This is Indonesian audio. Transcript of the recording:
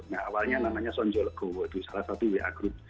nah awalnya namanya sonjo legowo di salah satu wa group